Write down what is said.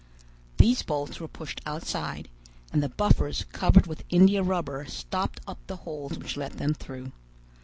These bolts were pushed outside, and the buffers covered with India rubber stopped up the holes which let them through.